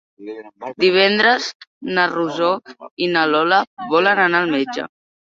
Divendres na Rosó i na Lola volen anar al metge.